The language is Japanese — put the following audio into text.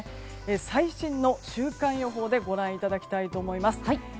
最新の週間予報でご覧いただきたいと思います。